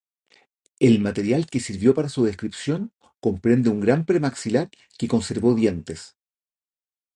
El material que sirvió para su descripción comprende un gran premaxilar que conservó dientes.